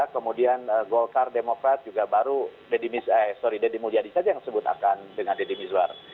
kemudian gokar demokrat juga baru deddy mulyadi saja yang disebutkan dengan deddy mizwar